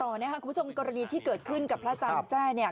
ต่อนะครับคุณผู้ชมกรณีที่เกิดขึ้นกับพระพุทธเจ้า